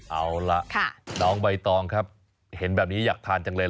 เอาล่ะน้องใบตองครับเห็นแบบนี้อยากทานจังเลย